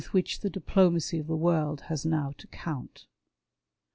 119 which the diplomacy of the workl has now to count.